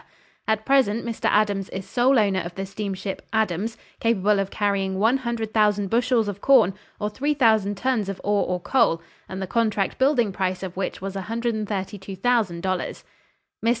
At present Mr. Adams is sole owner of the steamship Adams, capable of carrying one hundred thousand bushels of corn, or three thousand tons of ore or coal, and the contract building price of which was $132,000. Mr.